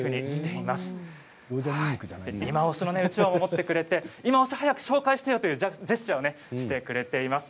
いまオシうちわを持ってくれていて、いまオシ早く紹介してよというジェスチャーをしています。